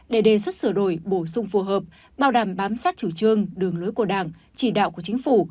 để đề xuất sửa đổi bổ sung phù hợp bảo đảm bám sát chủ trương đường lối của đảng chỉ đạo của chính phủ